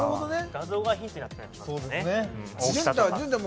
画像がヒントだったりもしますからね。